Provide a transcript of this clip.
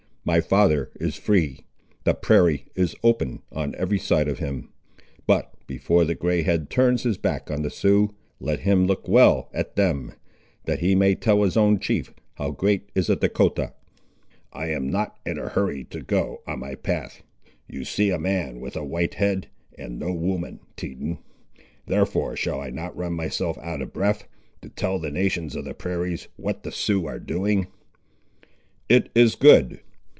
My father is free. The prairie is open on every side of him. But before the grey head turns his back on the Siouxes, let him look well at them, that he may tell his own chief, how great is a Dahcotah!" "I am not in a hurry to go on my path. You see a man with a white head, and no woman, Teton; therefore shall I not run myself out of breath, to tell the nations of the prairies what the Siouxes are doing." "It is good.